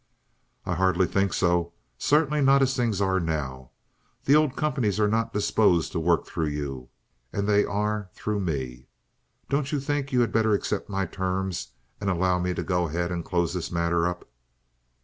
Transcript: "I hardly think so; certainly not as things are now. The old companies are not disposed to work through you, and they are through me. Don't you think you had better accept my terms and allow me to go ahead and close this matter up?"